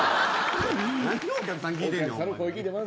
何をお客さんに聞いてねん。